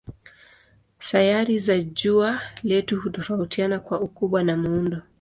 Sayari za jua letu hutofautiana kwa ukubwa na muundo.